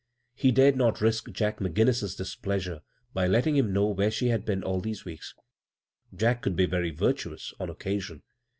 He dared not risk Jack McGinnis's displeasure by letting him know where she had been all these weeks ; Jack could be very virtuous — on occasion.